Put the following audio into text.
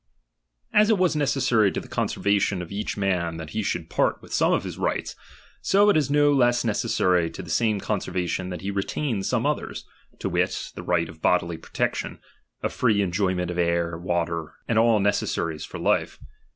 As it was necessary to the conservation ofiheni Each man that he should part with some of his " rights, so it is no less necessary to the same con servation that he retain some others, to wit, the right of bodily protection, of free enjoyment of air, water, and all necessaries for life.